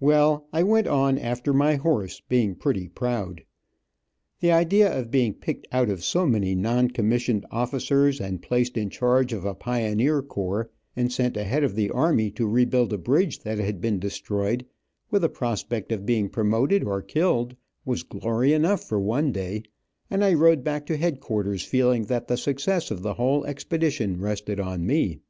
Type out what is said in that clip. When, I went on after my horse, being pretty proud. The idea of being picked out of so many non commissioned officers, and placed in charge of a pioneer corps, and sent ahead of the army to rebuild a bridge that had been destroyed, with a prospect of being promoted or killed, was glory enough for one day, and I rode back to headquarters feeling that the success of the whole expedition rested on me.